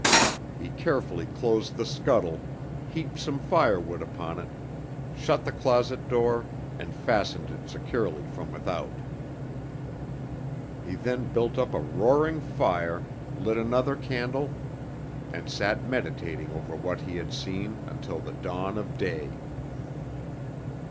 He carefully closed the scuttle, heaped some firewood upon it, shut the closet door and fastened it securely from without. He then built up a roaring fire, lit another candle, and sat meditating over what he had seen until the dawn of day.